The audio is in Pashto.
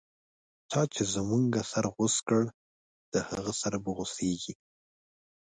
چا چی زموږه سر غوڅ کړی، د هغه سر به غو څیږی